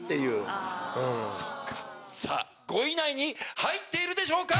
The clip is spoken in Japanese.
さぁ５位以内に入っているでしょうか